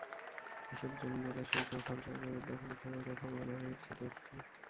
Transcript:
এসব জমি, জলাশয়সহ খাল সরকারের দখলে থাকার কথাও বলা হয়েছে তথ্যে।